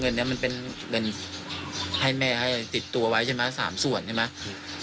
เงินนี้มันเป็นเงินให้แม่ให้ติดตัวไว้ใช่ไหม๓ส่วนใช่ไหม